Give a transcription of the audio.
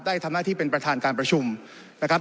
ได้ทำหน้าที่เป็นประธานการประชุมนะครับ